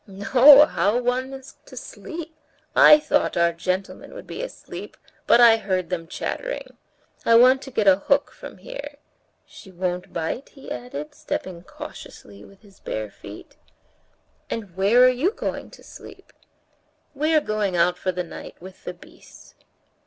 "No, how's one to sleep! I thought our gentlemen would be asleep, but I heard them chattering. I want to get a hook from here. She won't bite?" he added, stepping cautiously with his bare feet. "And where are you going to sleep?" "We are going out for the night with the beasts."